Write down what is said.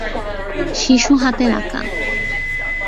শিশু হাতের আঁকা।